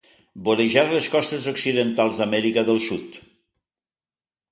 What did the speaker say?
Vorejar les costes Occidentals d'Amèrica del Sud.